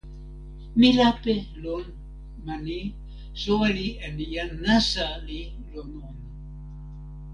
mi lape lon ma ni: soweli en jan nasa li lon ona.